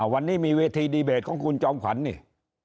วันนี้มีเวทีดีเบตของคุณจอมขวัญนี่